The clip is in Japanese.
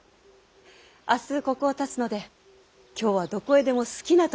明日ここをたつので今日はどこへでも好きな所へ行ってまいれと。